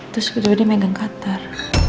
terus tiba tiba dia megang katar